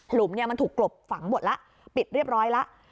ลุมเนี่ยมันถูกกลบฝังหมดแล้วปิดเรียบร้อยแล้ว